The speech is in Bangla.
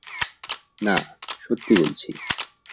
না, সত্যি বলছি।